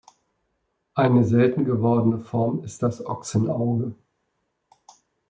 Eine selten gewordene Form ist das Ochsenauge.